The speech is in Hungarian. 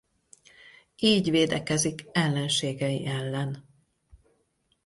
Így védekezik ellenségei ellen.